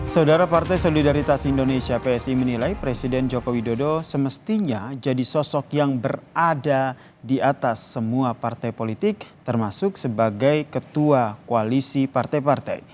saudara partai solidaritas indonesia psi menilai presiden joko widodo semestinya jadi sosok yang berada di atas semua partai politik termasuk sebagai ketua koalisi partai partai